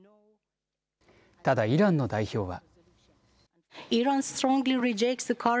ただイランの代表は。